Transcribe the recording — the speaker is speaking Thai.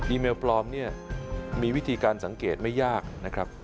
เมลปลอมเนี่ยมีวิธีการสังเกตไม่ยากนะครับ